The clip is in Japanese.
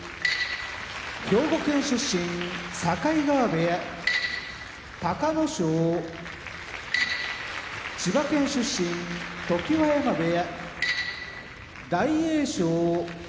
兵庫県出身境川部屋隆の勝千葉県出身常盤山部屋大栄翔